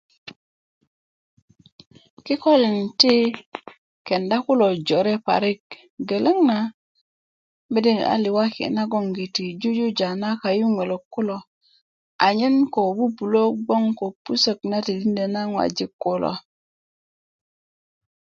kikolin ti kenda kulo jore parik geleŋ na mede niyo' na liwaki nagoŋgiti yi jujuja na kayuŋölök kulo anyen koko bubulö gboŋ ko pusök yi jujuja na ŋojik kulo